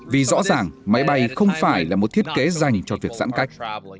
vì rõ ràng máy bay không phải là một thiết kế dành cho việc giãn cách